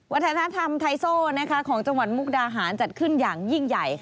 วัฒนธรรมไทโซของจังหวัดมุกดาหารจัดขึ้นอย่างยิ่งใหญ่